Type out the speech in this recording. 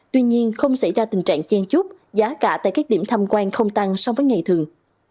tuy nhiên không xảy ra tình trạng chen chút giá cả tại các điểm tham quan không tăng so với ngày thường